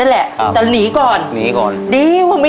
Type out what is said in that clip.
ขอบคุณที่ขอบคุณ